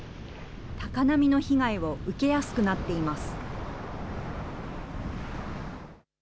高波の被害を受けやすくなっています。